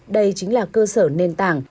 đây chính là cơ sở nền tảng